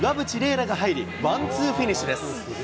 楽が入り、ワンツーフィニッシュです。